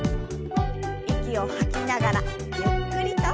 息を吐きながらゆっくりと。